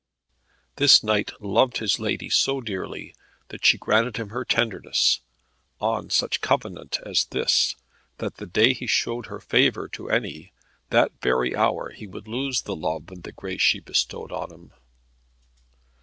This knight loved his lady so dearly that she granted him her tenderness, on such covenant as this that the day he showed her favour to any, that very hour he would lose the love and the grace she bestowed on him.